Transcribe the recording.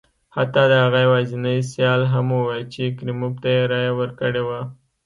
حتی د هغه یوازیني سیال هم وویل چې کریموف ته یې رایه ورکړې وه.